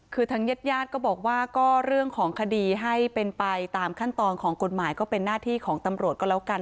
คือทางญาติญาติก็บอกว่าก็เรื่องของคดีให้เป็นไปตามขั้นตอนของกฎหมายก็เป็นหน้าที่ของตำรวจก็แล้วกัน